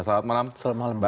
selamat malam selamat malam mbak